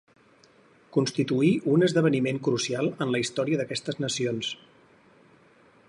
Constituí un esdeveniment crucial en la història d'aquestes nacions.